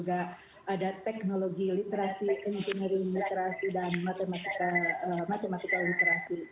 ada teknologi literasi engineering literasi dan matematika literasi